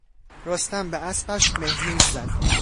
رستم به اسبش مهمیز زد.